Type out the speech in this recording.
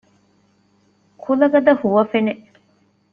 ކުލަގަދަ ހުވަފެނެއް